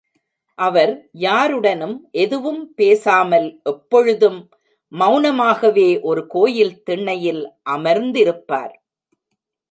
அவர் யாருடனும் எதுவும் பேசாமல் எப்பொழுதும் மெளனமாகவே ஒரு கோயில் திண்ணையில் அமர்ந்திருப்பார்.